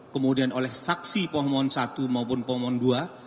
kemudian oleh saksi pemohon satu maupun pemohon dua